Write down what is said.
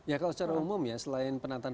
ya kalau secara umum ya selain penataan